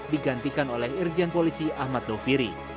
digantikan oleh irjen polisi ahmad doviri